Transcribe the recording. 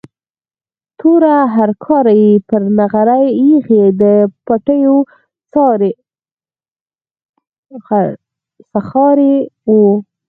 توره هرکاره یې پر نغري ایښې، د پوټیو څښاری و.